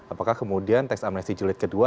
apakah kemudian tax amnesty jilid kedua